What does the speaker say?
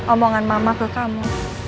omongan mama ke kamu